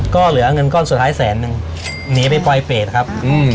ก็เหลือเงินก้อนสุดท้ายแสนนึงหนีไปปลอยเปรตครับ